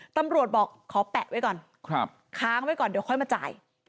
ตำรวจบอกขอแปะไว้ก่อนค้างไว้ก่อนเดี๋ยวค่อยมาจ่าย